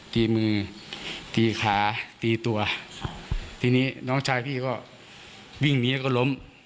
ตีมือตีขาตีตัวทีนี้น้องชายพี่ก็วิ่งหนีแล้วก็ล้ม